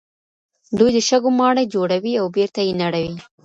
دوی د شګو ماڼۍ جوړوي او بېرته یې نړوي.